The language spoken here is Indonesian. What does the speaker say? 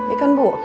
iya kan bu